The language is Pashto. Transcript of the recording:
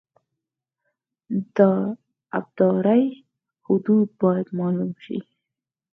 د ابدارۍ حدود باید معلوم شي